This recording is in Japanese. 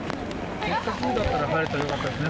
せっかくだから、晴れたらよかったですね。